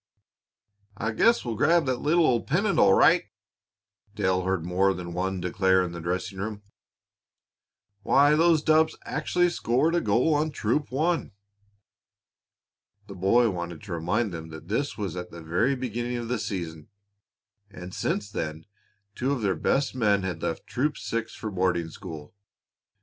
"I guess we'll grab that little old pennant, all right," Dale heard more than one declare in the dressing room. "Why, those dubs actually scored a goal on Troop One!" The boy wanted to remind them that this was at the very beginning of the season, and since then two of their best men had left Troop Six for boarding school.